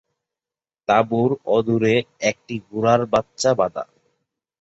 তাঁবুর অদূরে একটি ঘোড়ার বাচ্চা বাধা।